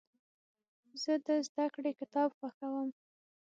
زه د زدهکړې کتاب خوښوم.